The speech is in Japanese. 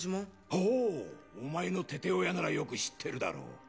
おおお前の父親ならよく知ってるだろう